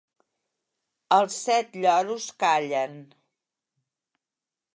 Els set lloros callen.